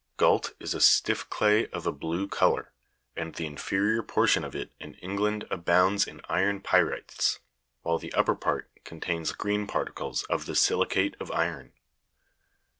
11. Gault is a stiff clay of a blue colour, and the inferior por tion of it in England abounds in iron py'rites, while the upper part contains green particles of the silicate of iron.